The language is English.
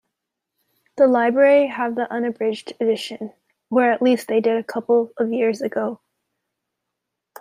The library have the unabridged edition, or at least they did a couple of years ago.